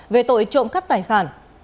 về tội trộm cắt tài sản